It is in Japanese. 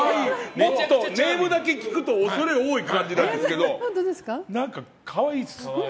もっとネームだけ聞くと恐れ多い感じなんですけど何か可愛いです。